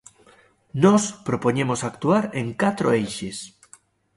Nós propoñemos actuar en catro eixes.